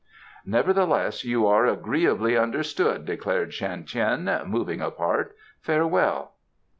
"Nevertheless you are agreeably understood," declared Shan Tien, moving apart. "Farewell."